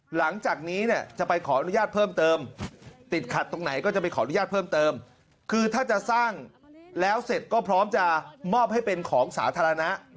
หลังจากนี้เนี่ยจะไปขออนุญาตเพิ่มเติมติดขัดตรงไหนก็จะไปขออนุญาตเพิ่มเติมคือถ้าจะสร้างแล้วเสร็จก็พร้อมจะมอบให้เป็นของสาธารณะ